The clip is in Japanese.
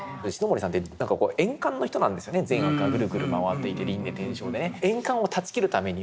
善悪がぐるぐる回っていて輪廻転生でね。